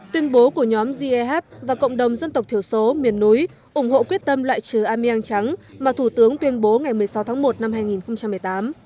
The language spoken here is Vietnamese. tuyên bố của nhóm geh và cộng đồng dân tộc thiểu số miền núi ủng hộ quyết tâm loại trừ ameang trắng mà thủ tướng tuyên bố ngày một mươi sáu tháng một năm hai nghìn một mươi tám